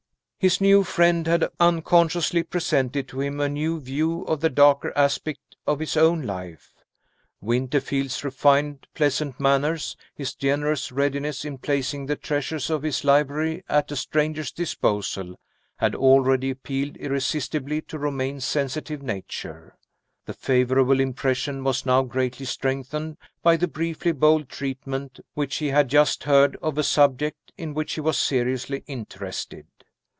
His new friend had unconsciously presented to him a new view of the darker aspect of his own life. Winterfield's refined, pleasant manners, his generous readiness in placing the treasures of his library at a stranger's disposal, had already appealed irresistibly to Romayne's sensitive nature. The favorable impression was now greatly strengthened by the briefly bold treatment which he had just heard of a subject in which he was seriously interested.